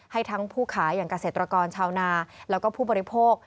ให้ทั้งผู้ขายอย่างเกษตรกรชาวนาแล้วก็ผู้บริโภค